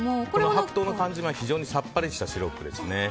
白桃の缶詰は非常にさっぱりとしたシロップですね。